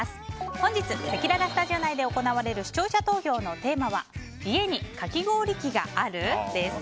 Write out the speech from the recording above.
本日せきららスタジオ内で行われる視聴者投票のテーマは家にかき氷機がある？です。